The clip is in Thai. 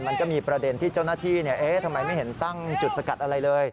มันก็มีประเด็นที่เจ้าหน้าที่ทำไมไม่เห็นตั้งจุดสกัดอะไรเลย